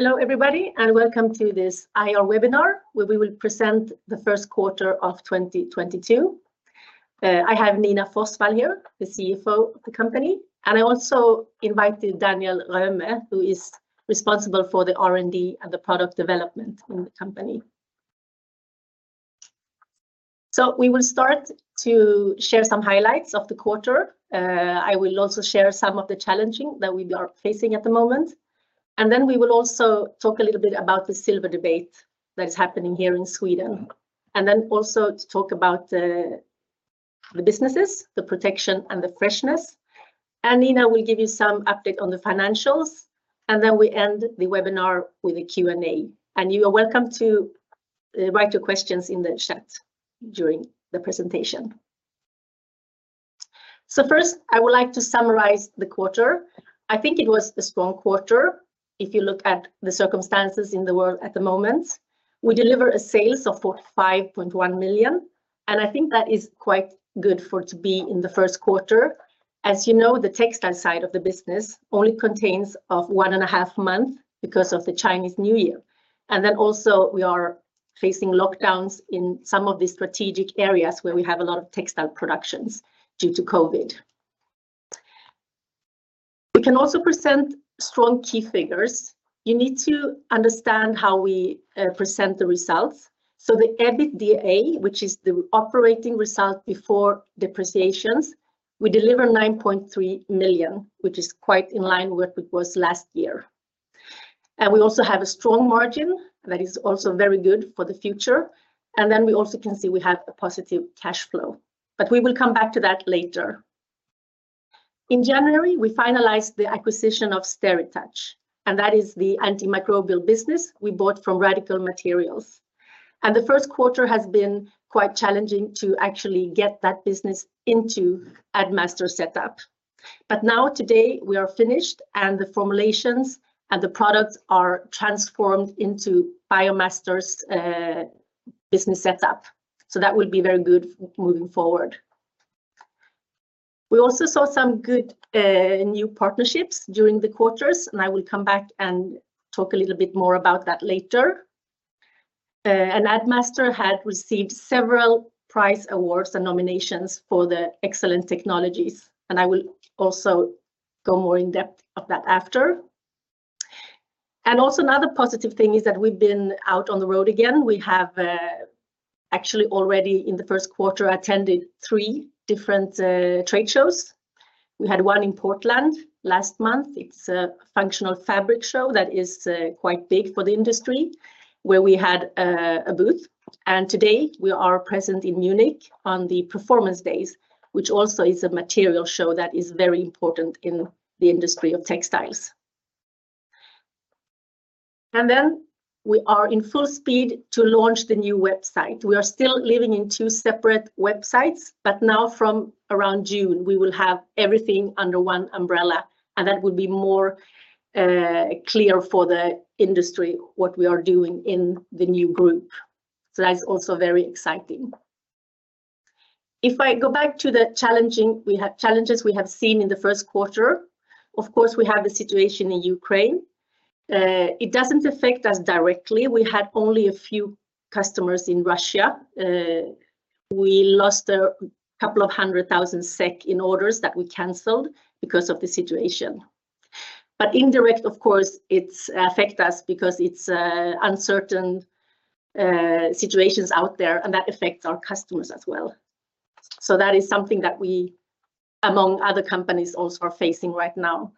Hello everybody and welcome to this IR webinar where we will present the first quarter of 2022. I have Nina Forsvall here, the CFO of the company, and I also invited Daniel Röme, who is responsible for the R&D and the product development in the company. We will start to share some highlights of the quarter. I will also share some of the challenges that we are facing at the moment, and then we will also talk a little bit about the silver debate that is happening here in Sweden, then also to talk about the businesses, the protection, and the freshness. Nina will give you some update on the financials, and then we end the webinar with a Q&A. You are welcome to write your questions in the chat during the presentation. First, I would like to summarize the quarter. I think it was a strong quarter if you look at the circumstances in the world at the moment. We deliver a sales of 5.1 million, and I think that is quite good for it to be in the first quarter. As you know, the textile side of the business only contains of 1.5 months because of the Chinese New Year. We are facing lockdowns in some of the strategic areas where we have a lot of textile productions due to COVID. We can also present strong key figures. You need to understand how we present the results. The EBITDA, which is the operating result before depreciations, we deliver 9.3 million, which is quite in line with it was last year. We also have a strong margin that is also very good for the future, and then we also can see we have a positive cash flow, but we will come back to that later. In January, we finalized the acquisition of SteriTouch, and that is the antimicrobial business we bought from Radical Materials. The first quarter has been quite challenging to actually get that business into Addmaster setup. Now today, we are finished, and the formulations and the products are transformed into BioMaster's business setup. That will be very good moving forward. We also saw some good new partnerships during the quarters, and I will come back and talk a little bit more about that later. Addmaster had received several prize awards and nominations for the excellent technologies, and I will also go more in depth of that after. Also another positive thing is that we've been out on the road again. We have actually already in the first quarter attended three different trade shows. We had one in Portland last month. It's a functional fabric show that is quite big for the industry, where we had a booth. Today, we are present in Munich on the Performance Days, which also is a material show that is very important in the industry of textiles. We are in full speed to launch the new website. We are still living in two separate websites, but now from around June, we will have everything under one umbrella, and that will be more clear for the industry what we are doing in the new group. That's also very exciting. If I go back to the challenging, we have challenges we have seen in the first quarter, of course, we have the situation in Ukraine. It doesn't affect us directly. We had only a few customers in Russia. We lost 200,000 SEK in orders that we canceled because of the situation. Indirect, of course, it affects us because it is uncertain situations out there, and that affects our customers as well. That is something that we, among other companies, also are facing right now.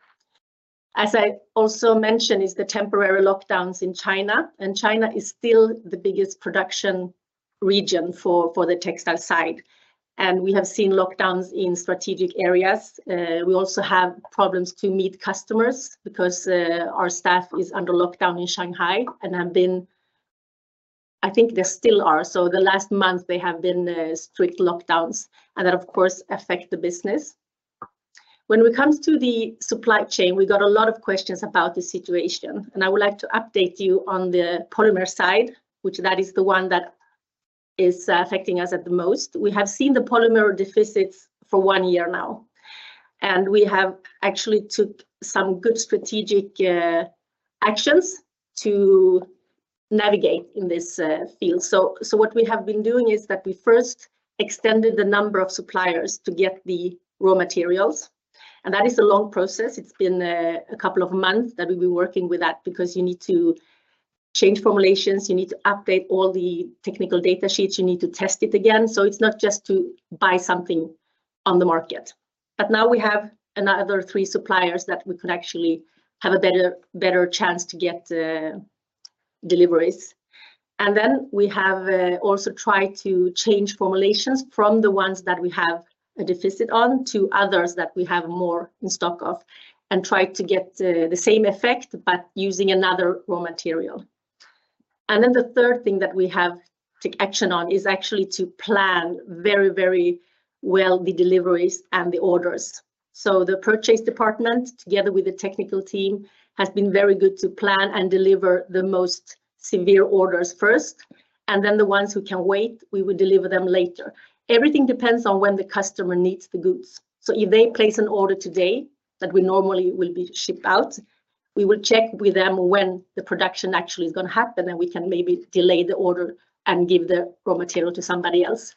As I also mentioned, is the temporary lockdowns in China, and China is still the biggest production region for the textile side. We have seen lockdowns in strategic areas. We also have problems to meet customers because our staff is under lockdown in Shanghai and have been. I think they still are. The last month they have been strict lockdowns, and that of course affect the business. When it comes to the supply chain, we got a lot of questions about the situation, and I would like to update you on the polymer side, which is the one that is affecting us at the most. We have seen the polymer deficits for one year now, and we have actually took some good strategic actions to navigate in this field. What we have been doing is that we first extended the number of suppliers to get the raw materials, and that is a long process. It's been a couple of months that we've been working with that because you need to change formulations, you need to update all the technical data sheets, you need to test it again. It's not just to buy something on the market. Now we have another three suppliers that we could actually have a better chance to get deliveries. We have also tried to change formulations from the ones that we have a deficit on to others that we have more in stock of and try to get the same effect but using another raw material. The third thing that we have take action on is actually to plan very well the deliveries and the orders. The purchase department, together with the technical team, has been very good to plan and deliver the most severe orders first, and then the ones who can wait, we will deliver them later. Everything depends on when the customer needs the goods. If they place an order today that we normally will be shipped out. We will check with them when the production actually is gonna happen, and we can maybe delay the order and give the raw material to somebody else.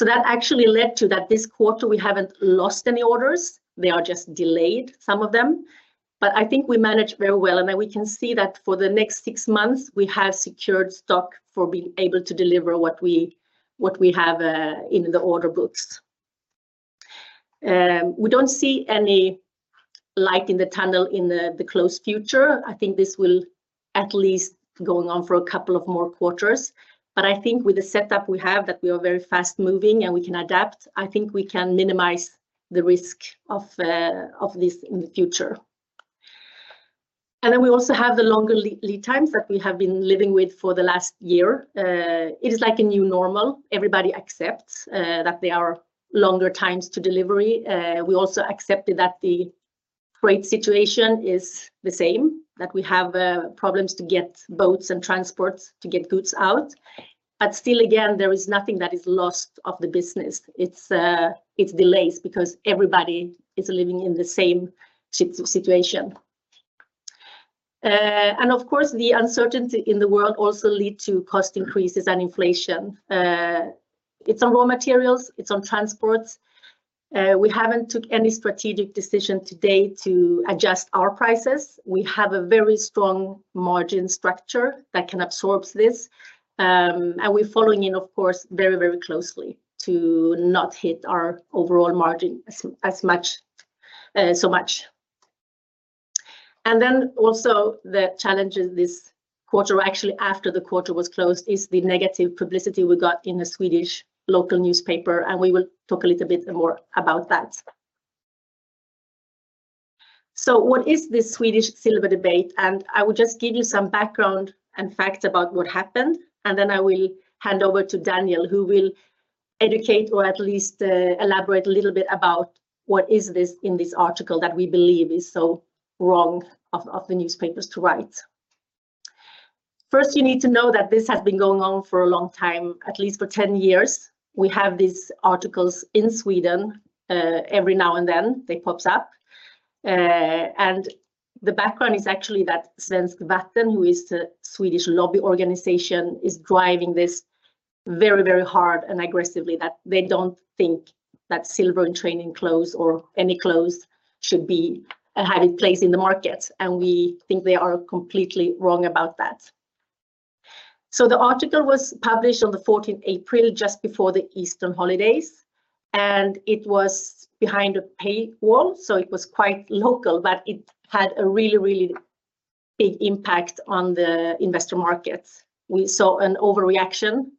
That actually led to that this quarter we haven't lost any orders. They are just delayed, some of them, but I think we managed very well, and then we can see that for the next six months we have secured stock for being able to deliver what we have in the order books. We don't see any light in the tunnel in the close future. I think this will at least go on for a couple of more quarters, but I think with the setup we have, that we are very fast-moving, and we can adapt. I think we can minimize the risk of this in the future. Then we also have the longer lead times that we have been living with for the last year. It is like a new normal. Everybody accepts that there are longer times to delivery. We also accepted that the freight situation is the same, that we have problems to get boats and transports to get goods out. But still, again, there is nothing that is lost of the business. It's delays because everybody is living in the same situation. Of course, the uncertainty in the world also lead to cost increases and inflation. It's on raw materials. It's on transports. We haven't took any strategic decision to date to adjust our prices. We have a very strong margin structure that can absorb this, and we're following it, of course, very, very closely to not hit our overall margin as much so much. Then also the challenges this quarter, actually, after the quarter was closed, is the negative publicity we got in the Swedish local newspaper, and we will talk a little bit more about that. What is this Swedish silver debate? I will just give you some background and facts about what happened, and then I will hand over to Daniel Röme, who will educate or at least elaborate a little bit about what it is in this article that we believe is so wrong of the newspapers to write. First, you need to know that this has been going on for a long time, at least for 10 years. We have these articles in Sweden. Every now and then, they pops up. The background is actually that Svenskt Vatten, who is a Swedish lobby organization, is driving this very, very hard and aggressively, that they don't think that silver in training clothes or any clothes should be, have a place in the market, and we think they are completely wrong about that. The article was published on the 14th April, just before the Easter holidays, and it was behind a paywall, so it was quite local, but it had a really, really big impact on the investor markets. We saw an overreaction,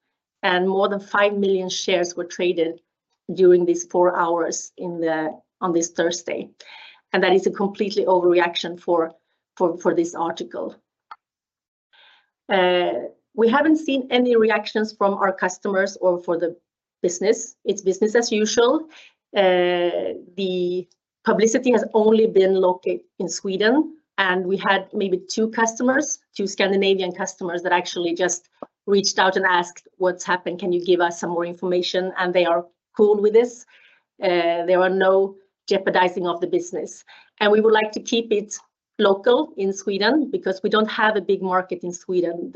and more than five million shares were traded during these four hours on this Thursday, and that is a completely overreaction for this article. We haven't seen any reactions from our customers or for the business. It's business as usual. The publicity has only been located in Sweden, and we had maybe two customers, two Scandinavian customers, that actually just reached out and asked, "What's happened? Can you give us some more information?" They are cool with this. There are no jeopardizing of the business. We would like to keep it local in Sweden because we don't have a big market in Sweden.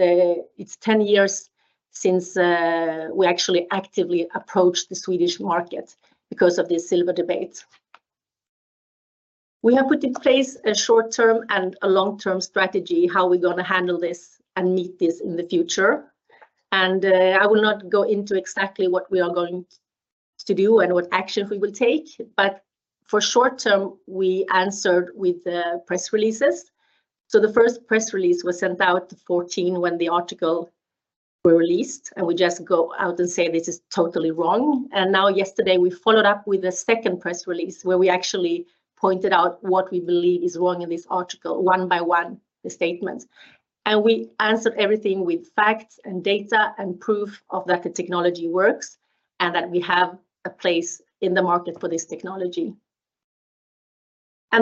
It's 10 years since we actually actively approached the Swedish market because of the silver debate. We have put in place a short-term and a long-term strategy, how we're gonna handle this and meet this in the future. I will not go into exactly what we are going to do and what action we will take, but for short term, we answered with press releases. The first press release was sent out the 14th when the article were released, and we just go out and say, "This is totally wrong." Now yesterday, we followed up with a second press release where we actually pointed out what we believe is wrong in this article one by one, the statements. We answered everything with facts and data and proof of that the technology works and that we have a place in the market for this technology.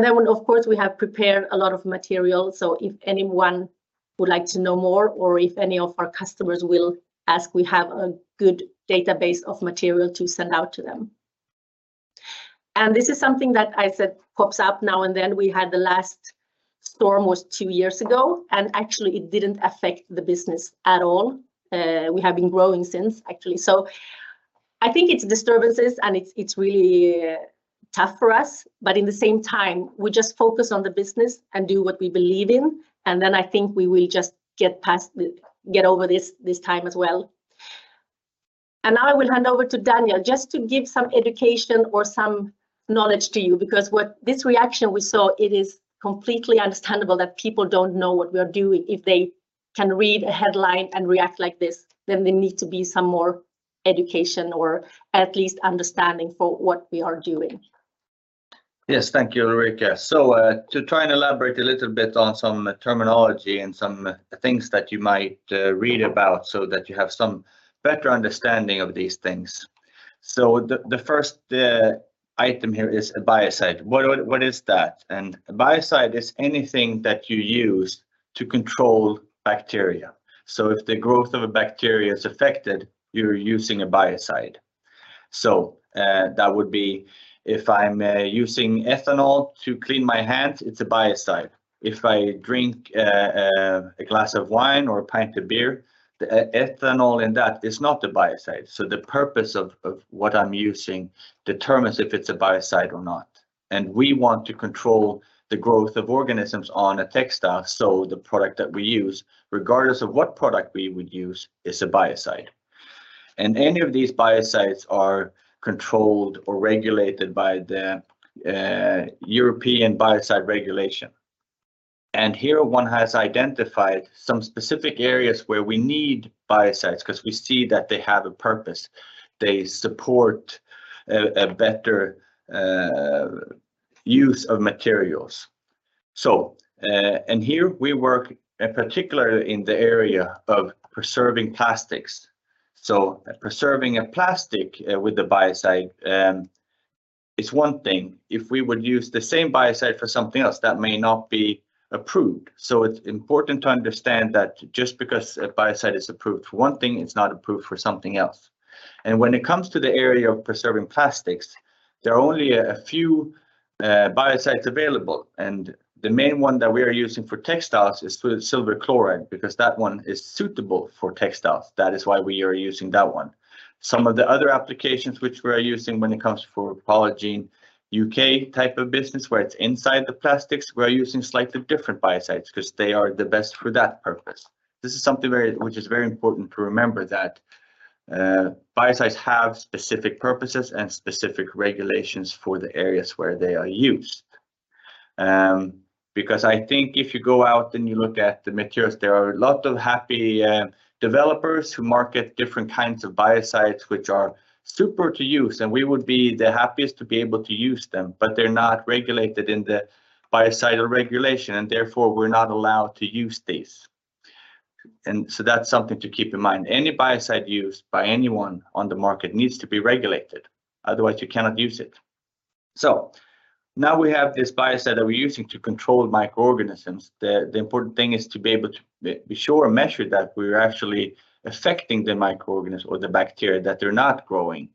Then of course, we have prepared a lot of material, so if anyone would like to know more, or if any of our customers will ask, we have a good database of material to send out to them. This is something that I said pops up now and then. We had the last storm was two years ago, and actually, it didn't affect the business at all. We have been growing since, actually. I think it's disturbances, and it's really tough for us, but in the same time, we just focus on the business and do what we believe in, and then I think we will just get over this time as well. Now I will hand over to Daniel Röme just to give some education or some knowledge to you because what this reaction we saw, it is completely understandable that people don't know what we are doing. If they can read a headline and react like this, then there need to be some more education or at least understanding for what we are doing. Yes. Thank you, Ulrika. To try and elaborate a little bit on some terminology and some things that you might read about so that you have some better understanding of these things. The first item here is a biocide. What is that? A biocide is anything that you use to control bacteria. If the growth of a bacteria is affected, you're using a biocide. That would be if I'm using ethanol to clean my hands, it's a biocide. If I drink a glass of wine or a pint of beer, the ethanol in that is not a biocide. The purpose of what I'm using determines if it's a biocide or not. We want to control the growth of organisms on a textile so the product that we use, regardless of what product we would use, is a biocide. Any of these biocides are controlled or regulated by the EU Biocidal Products Regulation. Here one has identified some specific areas where we need biocides because we see that they have a purpose. They support a better use of materials. We work in particular in the area of preserving plastics. Preserving a plastic with a biocide is one thing. If we would use the same biocide for something else, that may not be approved. It's important to understand that just because a biocide is approved for one thing, it's not approved for something else. When it comes to the area of preserving plastics, there are only a few biocides available. The main one that we are using for textiles is through silver chloride because that one is suitable for textiles. That is why we are using that one. Some of the other applications which we are using when it comes to Polygiene U.K. type of business where it's inside the plastics, we're using slightly different biocides because they are the best for that purpose. This is something which is very important to remember that biocides have specific purposes and specific regulations for the areas where they are used. Because I think if you go out and you look at the materials, there are a lot of happy developers who market different kinds of biocides which are super to use, and we would be the happiest to be able to use them, but they're not regulated in the Biocidal Products Regulation, and therefore, we're not allowed to use these. That's something to keep in mind. Any biocide used by anyone on the market needs to be regulated, otherwise you cannot use it. Now we have this biocide that we're using to control microorganisms. The important thing is to be able to be sure and measure that we're actually affecting the microorganism or the bacteria, that they're not growing.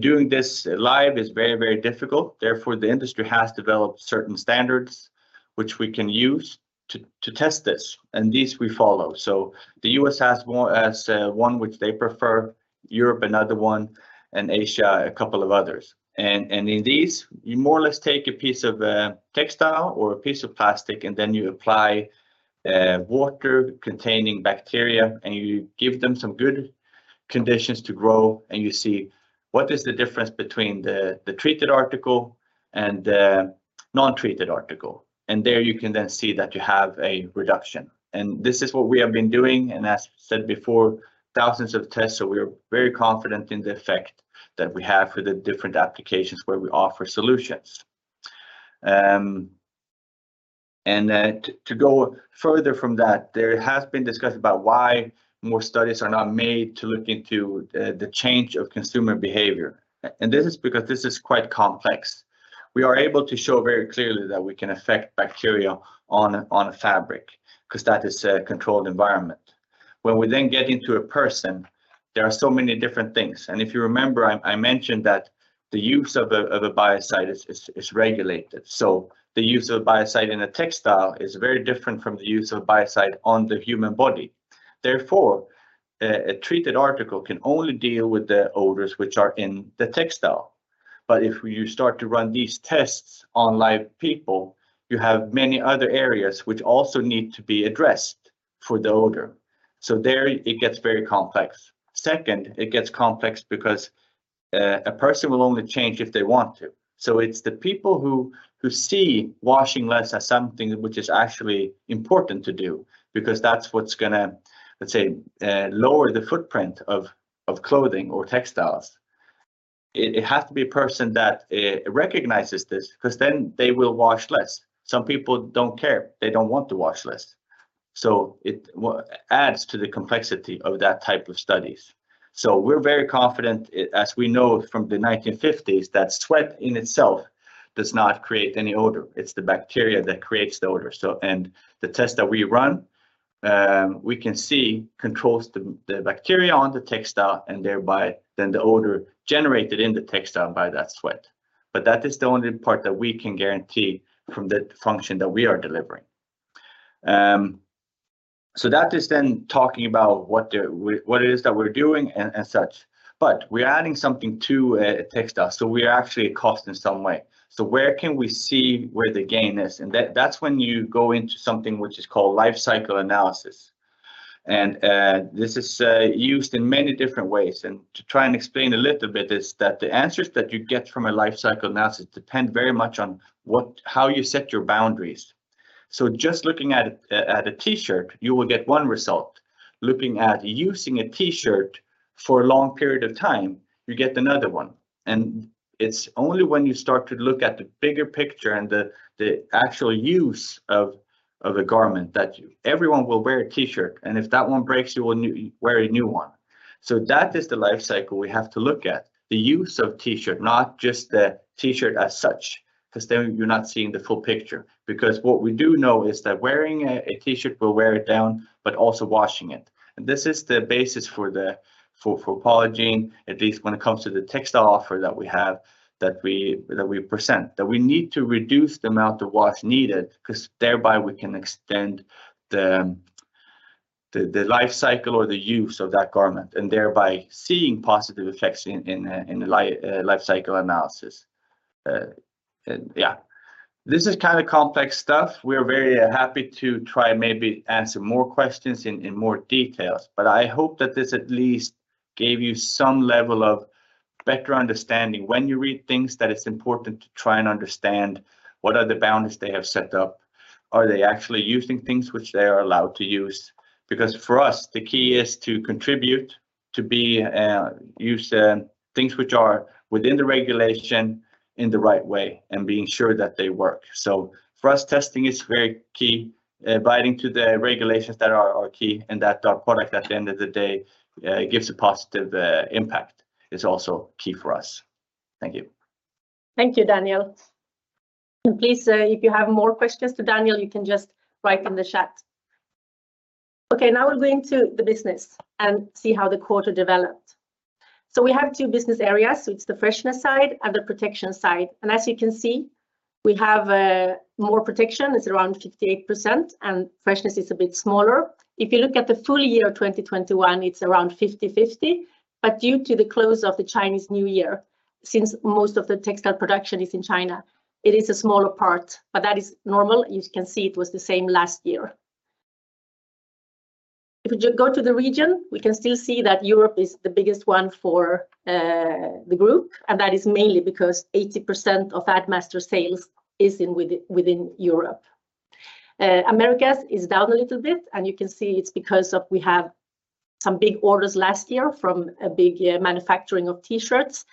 Doing this live is very, very difficult, therefore the industry has developed certain standards which we can use to test this, and these we follow. The U.S. has one which they prefer, Europe another one, and Asia a couple of others. In these, you more or less take a piece of textile or a piece of plastic, and then you apply water containing bacteria, and you give them some good conditions to grow, and you see what is the difference between the treated article and the non-treated article. There you can then see that you have a reduction. This is what we have been doing, and as said before, thousands of tests, so we are very confident in the effect that we have for the different applications where we offer solutions. To go further from that, there has been discussion about why more studies are not made to look into the change of consumer behavior. This is because this is quite complex. We are able to show very clearly that we can affect bacteria on a fabric because that is a controlled environment. When we then get into a person, there are so many different things. If you remember, I mentioned that the use of a biocide is regulated. The use of biocide in a textile is very different from the use of biocide on the human body. Therefore, a treated article can only deal with the odors which are in the textile. If you start to run these tests on live people, you have many other areas which also need to be addressed for the odor. There it gets very complex. Second, it gets complex because a person will only change if they want to. It's the people who see washing less as something which is actually important to do because that's what's gonna, let's say, lower the footprint of clothing or textiles. It has to be a person that recognizes this because then they will wash less. Some people don't care. They don't want to wash less. It adds to the complexity of that type of studies. We're very confident, as we know from the 1950s, that sweat in itself does not create any odor. It's the bacteria that creates the odor. The test that we run, we can see controls the bacteria on the textile and thereby then the odor generated in the textile by that sweat. That is the only part that we can guarantee from the function that we are delivering. That is talking about what it is that we're doing and such. We're adding something to a textile, so we are actually a cost in some way. Where can we see the gain is? That's when you go into something which is called life cycle analysis. This is used in many different ways. To try and explain a little bit is that the answers that you get from a life cycle analysis depend very much on how you set your boundaries. Just looking at a T-shirt, you will get one result. Looking at using a T-shirt for a long period of time, you get another one. It's only when you start to look at the bigger picture and the actual use of a garment that everyone will wear a T-shirt, and if that one breaks, you will wear a new one. That is the life cycle we have to look at, the use of T-shirt, not just the T-shirt as such, because then you're not seeing the full picture. What we do know is that wearing a T-shirt will wear it down, but also washing it. This is the basis for Polygiene, at least when it comes to the textile offer that we have, that we present, that we need to reduce the amount of wash needed because thereby we can extend the life cycle or the use of that garment and thereby seeing positive effects in the life cycle analysis. Yeah. This is kind of complex stuff. We're very happy to try maybe answer more questions in more details. I hope that this at least gave you some level of better understanding when you read things that it's important to try and understand what are the boundaries they have set up. Are they actually using things which they are allowed to use? Because for us, the key is to contribute, to be used in things which are within the regulation in the right way and being sure that they work. For us, testing is very key, abiding to the regulations that are key and that our product at the end of the day gives a positive impact is also key for us. Thank you. Thank you, Daniel. Please, if you have more questions to Daniel, you can just write in the chat. Okay, now we're going to the business and see how the quarter developed. We have two business areas. It's the freshness side and the protection side. As you can see, we have more protection. It's around 58% and freshness is a bit smaller. If you look at the full year 2021, it's around 50/50. Due to the close of the Chinese New Year, since most of the textile production is in China, it is a smaller part. That is normal. You can see it was the same last year. If you go to the region, we can still see that Europe is the biggest one for the group. That is mainly because 80% of Addmaster sales is within Europe. Americas is down a little bit. You can see it's because we have some big orders last year from a big manufacturing of T-shirts.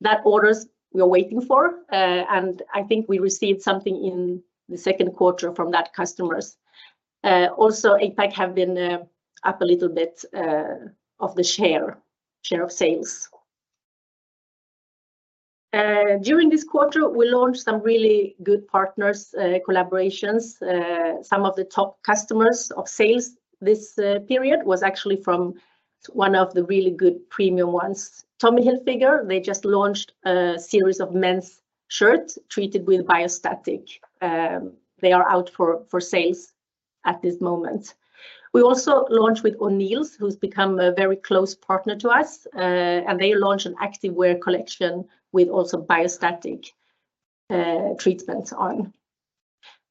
That orders we are waiting for. I think we received something in the second quarter from that customers. APAC have been up a little bit of the share of sales. During this quarter, we launched some really good partners, collaborations. Some of the top customers of sales this period was actually from one of the really good premium ones, Tommy Hilfiger. They just launched a series of men's shirts treated with BioStatic. They are out for sales at this moment. We also launched with O'Neill, who's become a very close partner to us. They launched an activewear collection with also BioStatic treatments on.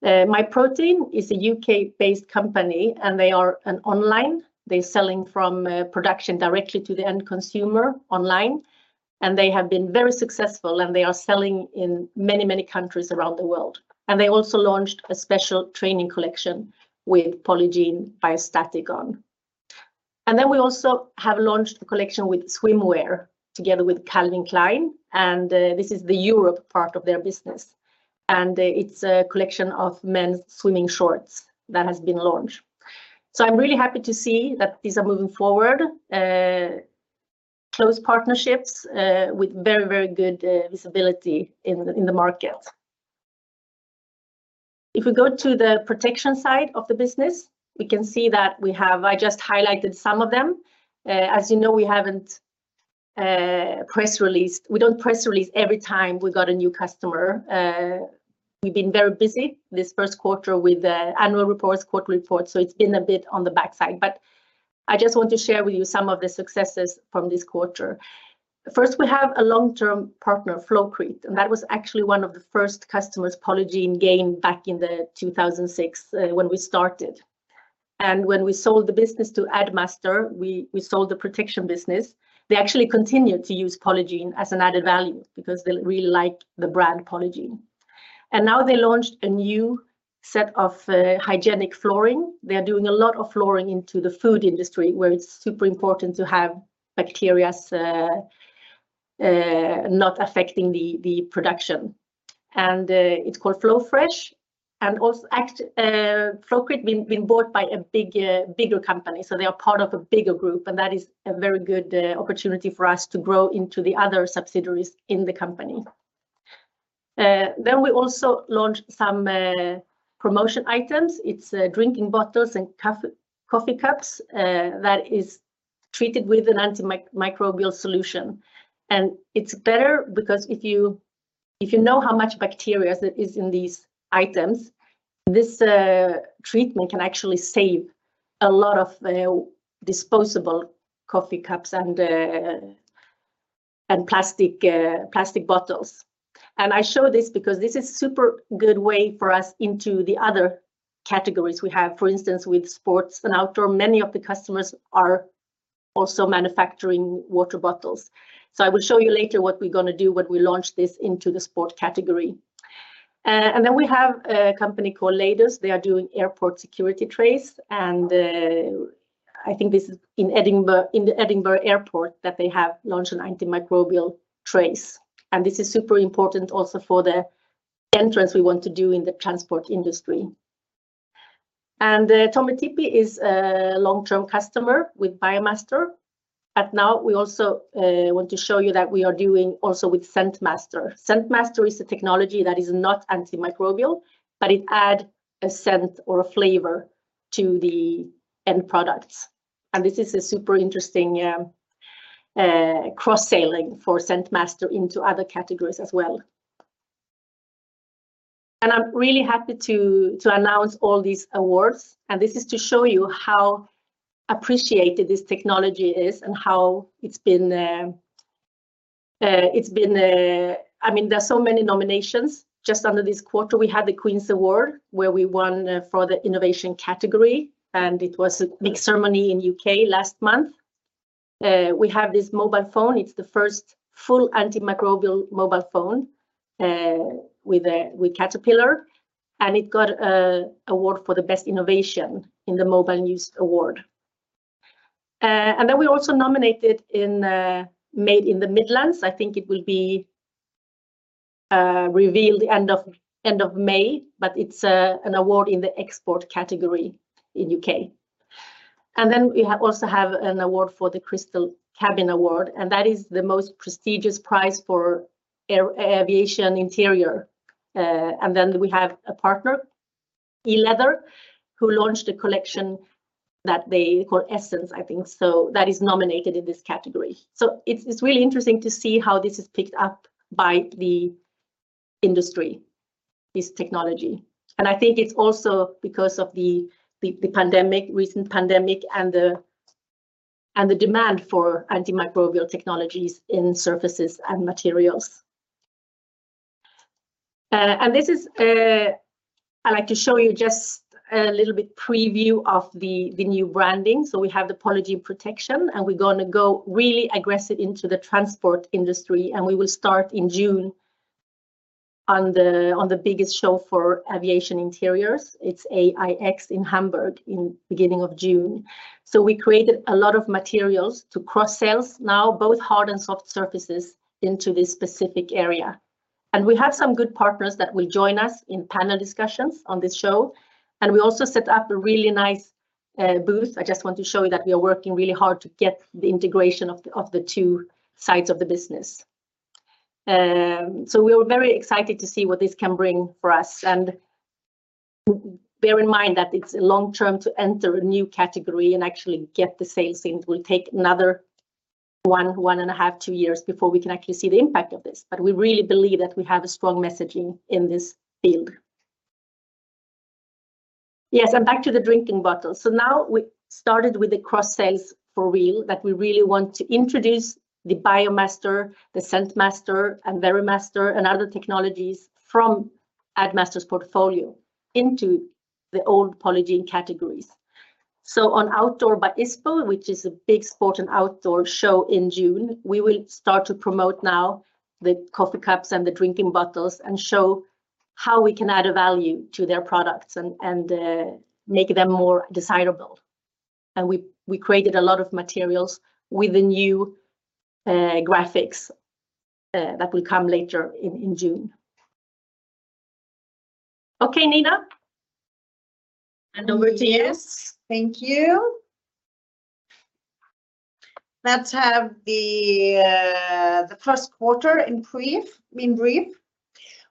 Myprotein is a U.K.-based company and they are an online. They're selling from production directly to the end consumer online. They have been very successful and they are selling in many, many countries around the world. They also launched a special training collection with Polygiene BioStatic on. We also have launched a collection with swimwear together with Calvin Klein. This is the Europe part of their business. It's a collection of men's swimming shorts that has been launched. I'm really happy to see that these are moving forward. Close partnerships with very, very good visibility in the market. If we go to the protection side of the business, we can see that we have. I just highlighted some of them. As you know, we haven't press released. We don't press release every time we got a new customer. We've been very busy this first quarter with annual reports, quarterly reports. It's been a bit on the backside. I just want to share with you some of the successes from this quarter. First, we have a long-term partner, Flowcrete. That was actually one of the first customers Polygiene gained back in 2006 when we started. When we sold the business to Addmaster, we sold the protection business. They actually continued to use Polygiene as an added value because they really like the brand Polygiene. Now they launched a new set of hygienic flooring. They are doing a lot of flooring into the food industry where it's super important to have bacteria not affecting the production. It's called Flowfresh. Also Flowcrete been bought by a bigger company. They are part of a bigger group. That is a very good opportunity for us to grow into the other subsidiaries in the company. We also launched some promotion items. It's drinking bottles and coffee cups that is treated with an antimicrobial solution. It's better because if you know how much bacteria is in these items, this treatment can actually save a lot of disposable coffee cups and plastic bottles. I show this because this is super good way for us into the other categories we have. For instance, with sports and outdoor, many of the customers are also manufacturing water bottles. I will show you later what we're going to do when we launch this into the sport category. We have a company called Lader. They are doing airport security trays and I think this is in Edinburgh, in the Edinburgh airport that they have launched an antimicrobial tray. This is super important also for the entry we want to do in the transport industry. Tommee Tippee is a long-term customer with BioMaster. Now we also want to show you that we are doing also with ScentMaster. ScentMaster is a technology that is not antimicrobial, but it add a scent or a flavor to the end products. This is a super interesting cross-selling for ScentMaster into other categories as well. I'm really happy to announce all these awards, and this is to show you how appreciated this technology is and how it's been. I mean, there's so many nominations. Just under this quarter, we had the Queen's Award, where we won for the innovation category, and it was a big ceremony in the U.K. last month. We have this mobile phone. It's the first full antimicrobial mobile phone with Caterpillar, and it got award for the best innovation in the Mobile News Awards. We're also nominated in Made in the Midlands. I think it will be revealed end of May, but it's an award in the export category in U.K. We also have an award for the Crystal Cabin Award, and that is the most prestigious prize for aviation interior. We have a partner, ELeather, who launched a collection that they call Essence, I think, so that is nominated in this category. It's really interesting to see how this is picked up by the industry, this technology. I think it's also because of the recent pandemic and the demand for antimicrobial technologies in surfaces and materials. I'd like to show you just a little bit preview of the new branding. We have the Polygiene Protection, and we're gonna go really aggressive into the transport industry, and we will start in June on the biggest show for aviation interiors. It's AIX in Hamburg in beginning of June. We created a lot of materials to cross-sell now, both hard and soft surfaces, into this specific area. We have some good partners that will join us in panel discussions on this show, and we also set up a really nice booth. I just want to show you that we are working really hard to get the integration of the, of the two sides of the business. We're very excited to see what this can bring for us. Bear in mind that it's long-term to enter a new category and actually get the sales in. It will take another 1.5-2 years before we can actually see the impact of this. We really believe that we have a strong messaging in this field. Yes, back to the drinking bottle. Now we started with the cross-sells for real, that we really want to introduce the BioMaster, the ScentMaster, and VeriMaster, and other technologies from Addmaster's portfolio into the old Polygiene categories. On Outdoor by ISPO, which is a big sport and outdoor show in June, we will start to promote now the coffee cups and the drinking bottles and show how we can add value to their products and make them more desirable. We created a lot of materials with the new graphics that will come later in June. Okay, Nina. Over to you. Yes. Thank you. Let's have the first quarter in brief.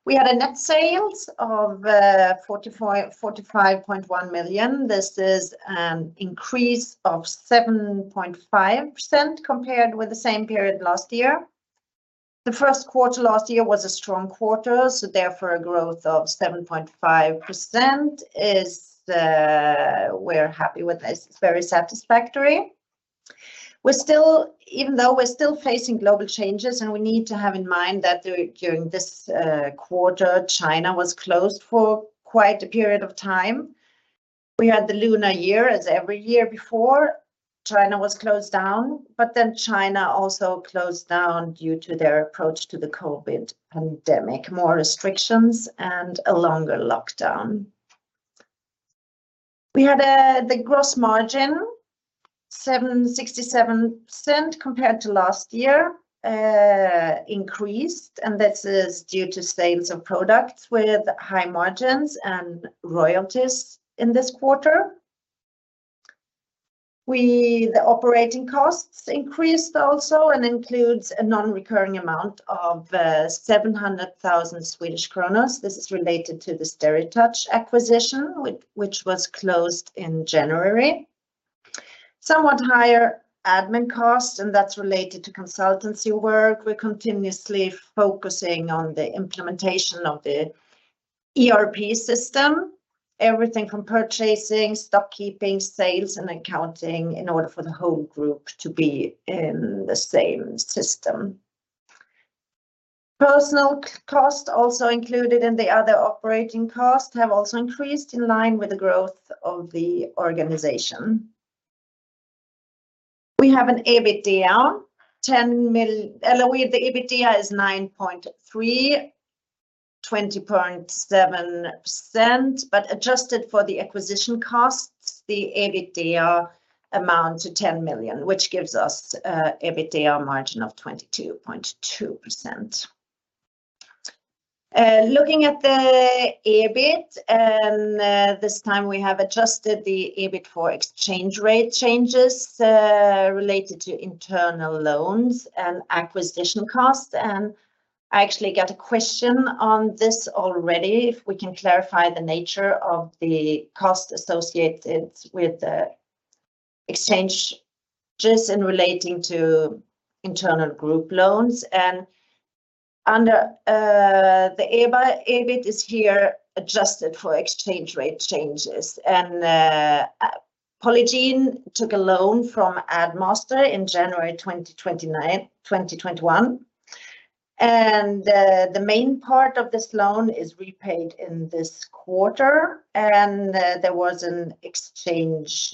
We had net sales of 45.1 million. This is an increase of 7.5% compared with the same period last year. The first quarter last year was a strong quarter, so therefore a growth of 7.5% is, we're happy with this. It's very satisfactory. We're still, even though we're still facing global changes, and we need to have in mind that during this quarter, China was closed for quite a period of time. We had the Lunar Year, as every year before. China was closed down, but then China also closed down due to their approach to the COVID pandemic, more restrictions and a longer lockdown. We had the gross margin, 76.7% compared to last year, increased, and this is due to sales of products with high margins and royalties in this quarter. The operating costs increased also and includes a non-recurring amount of 700,000. This is related to the SteriTouch acquisition, which was closed in January. Somewhat higher admin costs, and that's related to consultancy work. We're continuously focusing on the implementation of the ERP system, everything from purchasing, stock keeping, sales, and accounting in order for the whole group to be in the same system. Personnel costs, also included in the other operating costs, have also increased in line with the growth of the organization. We have an EBITDA 10 million, the EBITDA is 9.3 million, 20.7%, but adjusted for the acquisition costs, the EBITDA amount to 10 million, which gives us an EBITDA margin of 22.2%. Looking at the EBIT, this time we have adjusted the EBIT for exchange rate changes related to internal loans and acquisition costs. I actually got a question on this already, if we can clarify the nature of the costs associated with the exchanges and relating to internal group loans. The EBIT is here adjusted for exchange rate changes. Polygiene took a loan from Addmaster in January 2021. The main part of this loan is repaid in this quarter, and there was an exchange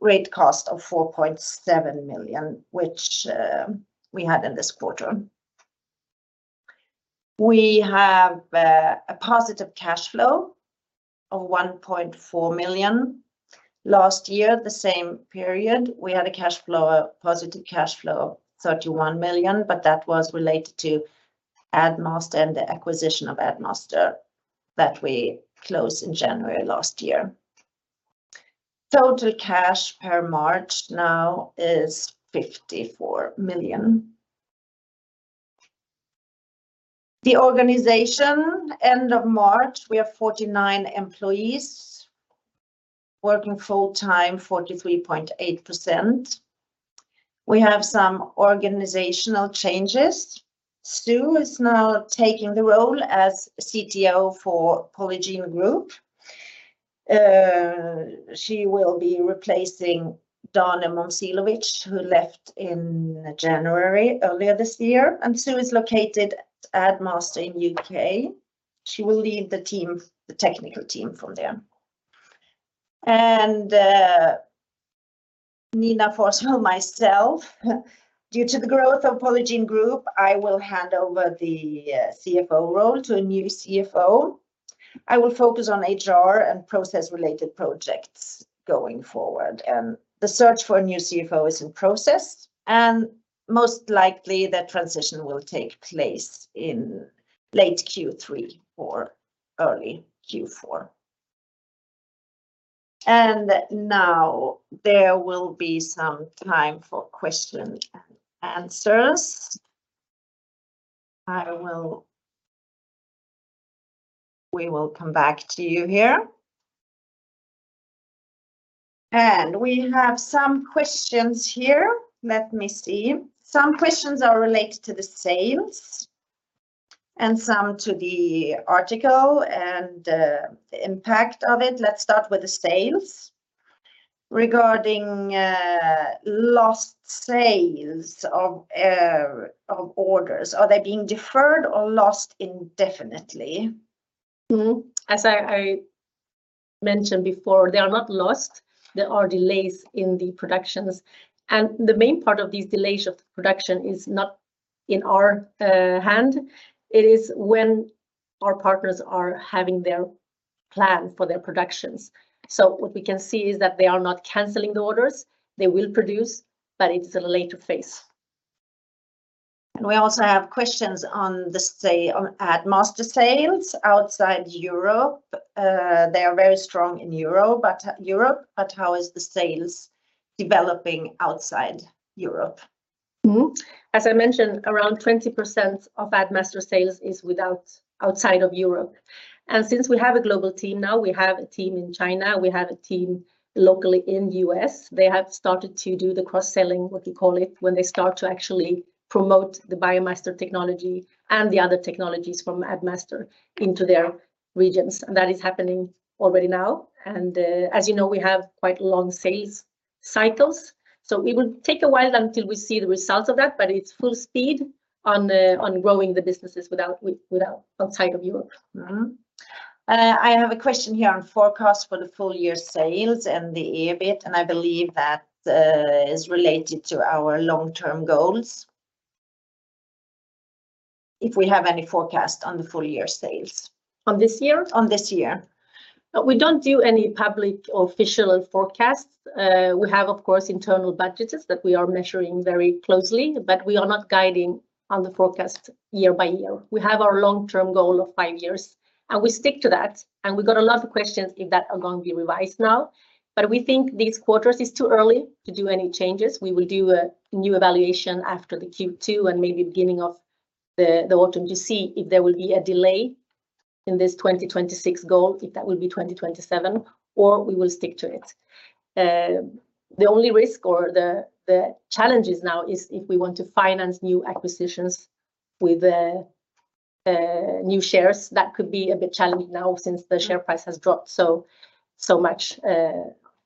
rate cost of 4.7 million, which we had in this quarter. We have a positive cash flow of 1.4 million. Last year, the same period, we had a positive cash flow of 31 million, but that was related to Addmaster and the acquisition of Addmaster that we closed in January last year. Total cash as of March now is SEK 54 million. The organization, end of March, we have 49 employees working full-time, 43.8%. We have some organizational changes. Sue Bethel is now taking the role as CTO for Polygiene Group. She will be replacing Dane Momcilovic, who left in January earlier this year. Sue Bethel is located at Addmaster in U.K. She will lead the team, the technical team from there. Nina Forsvall, myself, due to the growth of Polygiene Group, I will hand over the CFO role to a new CFO. I will focus on HR and process-related projects going forward. The search for a new CFO is in process, and most likely that transition will take place in late Q3 or early Q4. Now there will be some time for question and answers. We will come back to you here. We have some questions here. Let me see. Some questions are related to the sales and some to the article and the impact of it. Let's start with the sales. Regarding lost sales of orders, are they being deferred or lost indefinitely? As I mentioned before, they are not lost. There are delays in the productions. The main part of these delays of production is not in our hand. It is when our partners are having their plan for their productions. What we can see is that they are not canceling the orders. They will produce, but it's a later phase. We also have questions on Addmaster sales outside Europe. They are very strong in Europe, but how are the sales developing outside Europe? As I mentioned, around 20% of Addmaster sales is outside of Europe. Since we have a global team now, we have a team in China, we have a team locally in U.S. They have started to do the cross-selling, what we call it, when they start to actually promote the BioMaster technology and the other technologies from Addmaster into their regions. That is happening already now. As you know, we have quite long sales cycles. It will take a while until we see the results of that, but it's full speed on growing the businesses outside of Europe. I have a question here on forecast for the full year sales and the EBIT, and I believe that is related to our long-term goals. If we have any forecast on the full year sales. On this year? On this year. We don't do any public or official forecasts. We have, of course, internal budgets that we are measuring very closely, but we are not guiding on the forecast year by year. We have our long-term goal of five years, and we stick to that. We got a lot of questions if that are going to be revised now. We think these quarters is too early to do any changes. We will do a new evaluation after the Q2 and maybe beginning of the autumn to see if there will be a delay in this 2026 goal, if that will be 2027, or we will stick to it. The only risk or the challenges now is if we want to finance new acquisitions with new shares. That could be a bit challenging now since the share price has dropped so much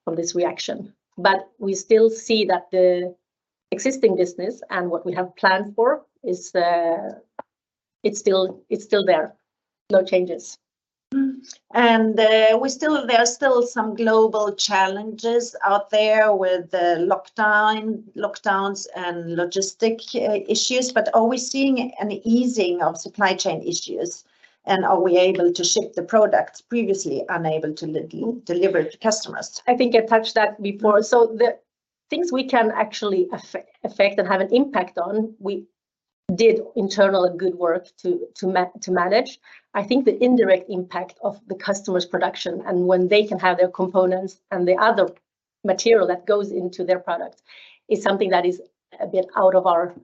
from this reaction. We still see that the existing business and what we have planned for is. It's still there. No changes. Mm-hmm. There are still some global challenges out there with the lockdowns and logistics issues, but are we seeing an easing of supply chain issues? Are we able to ship the products previously unable to deliver to customers? I think I touched that before. The things we can actually affect and have an impact on, we did internal and good work to manage. I think the indirect impact of the customer's production and when they can have their components and the other material that goes into their product is something that is a bit out of our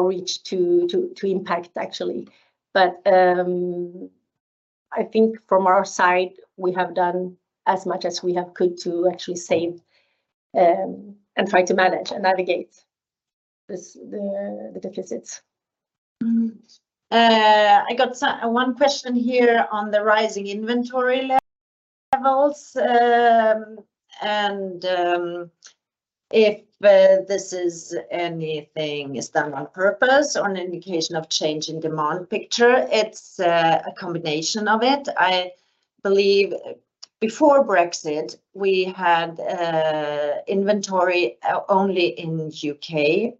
reach to impact actually. I think from our side, we have done as much as we have could to actually save, and try to manage and navigate the deficits. I got one question here on the rising inventory levels, and if this is anything done on purpose or an indication of change in demand picture? It's a combination of it. I believe before Brexit, we had inventory only in U.K.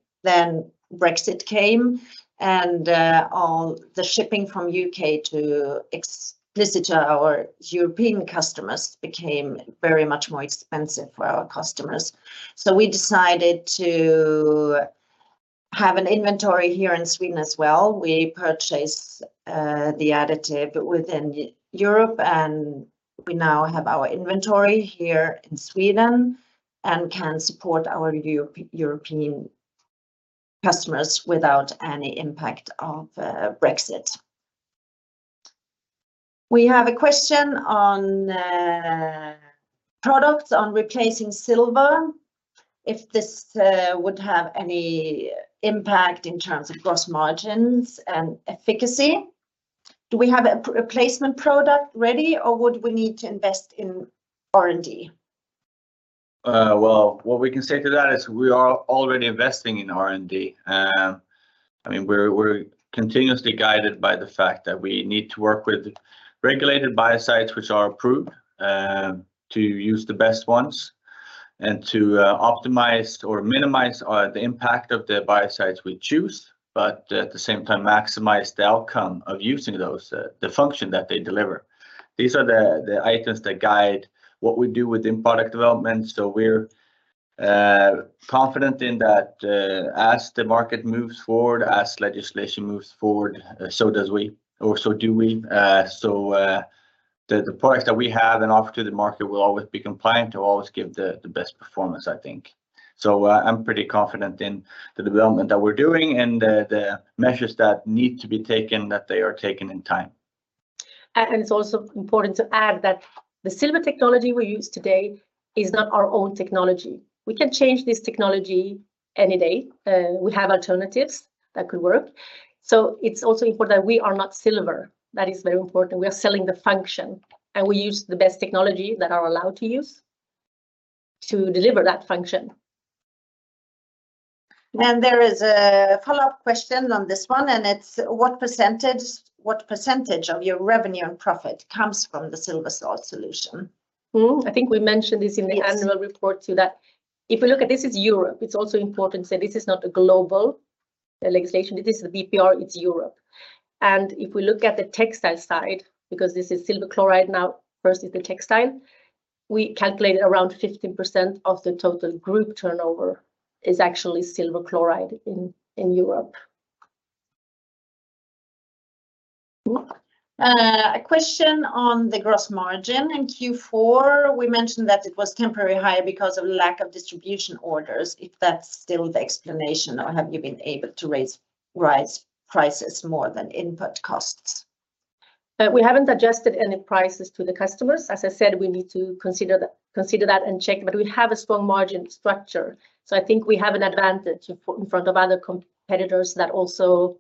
Brexit came, and all the shipping from U.K. to all our European customers became very much more expensive for our customers. We decided to have an inventory here in Sweden as well. We purchased the additive within Europe, and we now have our inventory here in Sweden and can support our European customers without any impact of Brexit. We have a question on products, on replacing silver, if this would have any impact in terms of gross margins and efficacy. Do we have a replacement product ready, or would we need to invest in R&D? Well, what we can say to that is we are already investing in R&D. I mean, we're continuously guided by the fact that we need to work with regulated biocides, which are approved to use the best ones and to optimize or minimize the impact of the biocides we choose, but at the same time, maximize the outcome of using those, the function that they deliver. These are the items that guide what we do within product development, so we're confident in that, as the market moves forward, as legislation moves forward, so do we. The products that we have and offer to the market will always be compliant to always give the best performance, I think. I'm pretty confident in the development that we're doing and the measures that need to be taken, that they are taken in time. It's also important to add that the silver technology we use today is not our own technology. We can change this technology any day. We have alternatives that could work. It's also important that we are not silver. That is very important. We are selling the function, and we use the best technology that are allowed to use to deliver that function. There is a follow-up question on this one, and it's: What percentage of your revenue and profit comes from the silver salt solution? I think we mentioned this. Yes... in the annual report too, that if you look at this is Europe, it's also important to say this is not a global legislation. It is the BPR. It's Europe. If we look at the textile side, because this is silver chloride now versus the textile, we calculate around 15% of the total group turnover is actually silver chloride in Europe. A question on the gross margin. In Q4, we mentioned that it was temporarily higher because of lack of distribution orders, if that's still the explanation, or have you been able to raise prices more than input costs? We haven't adjusted any prices to the customers. As I said, we need to consider that and check, but we have a strong margin structure. I think we have an advantage in front of other competitors that also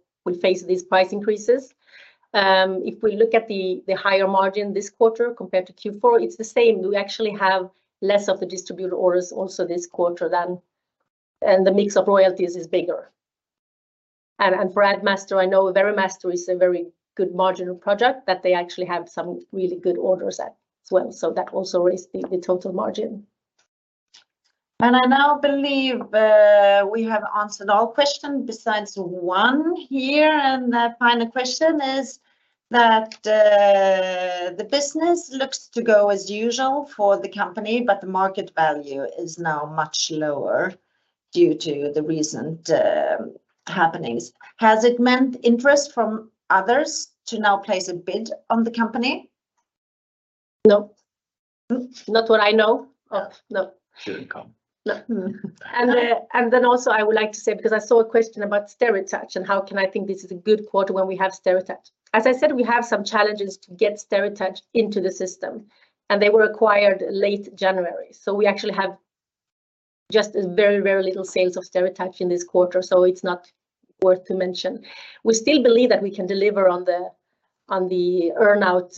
will face these price increases. If we look at the higher margin this quarter compared to Q4, it's the same. We actually have less of the distributor orders also this quarter than. The mix of royalties is bigger. For Addmaster, I know VeriMaster is a very good margin product that they actually have some really good orders at as well. That also raise the total margin. I now believe we have answered all question besides one here, and the final question is that the business looks to go as usual for the company, but the market value is now much lower due to the recent happenings. Has it meant interest from others to now place a bid on the company? No. Not what I know of, no. Shouldn't come. I would like to say, because I saw a question about SteriTouch, and how can I think this is a good quarter when we have SteriTouch? As I said, we have some challenges to get SteriTouch into the system, and they were acquired late January. We actually have just very little sales of SteriTouch in this quarter. It's not worth to mention. We still believe that we can deliver on the earn-out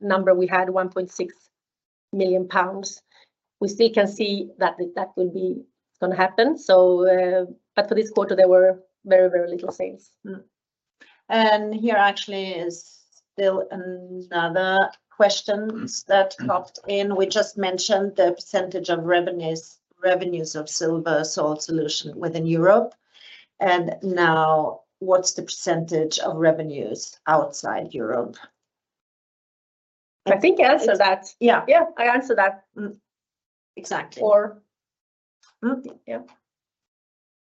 number we had, 1.6 million pounds. We still can see that will be gonna happen. But for this quarter, there were very little sales. Here actually is still another question that popped in. We just mentioned the percentage of revenues of silver salt solution within Europe. What's the percentage of revenues outside Europe? I think I answered that. Yeah. Yeah, I answered that. Mm-hmm. Exactly. Or- Okay. Yeah.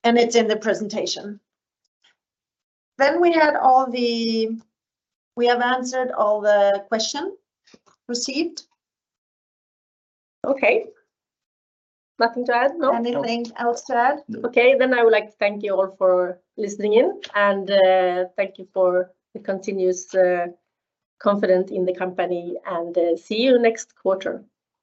It's in the presentation. We have answered all the questions received. Okay. Nothing to add? No. No. Anything else to add? No. Okay. I would like to thank you all for listening in, and thank you for the continuous confidence in the company, and see you next quarter.